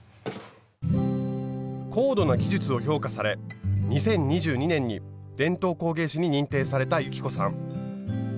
高度な技術を評価され２０２２年に伝統工芸士に認定された雪子さん。